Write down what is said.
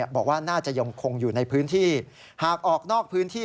บอกว่าน่าจะยังคงอยู่ในพื้นที่หากออกนอกพื้นที่